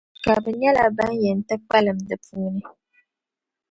Ka bɛ nyɛla ban yɛn ti kpalim di puuni.